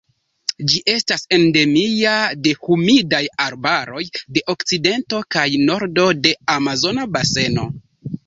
Ĝi estas endemia de humidaj arbaroj de okcidento kaj nordo de Amazona Baseno.